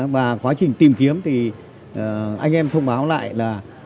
và quá trình tìm kiếm thì anh em thông báo lại là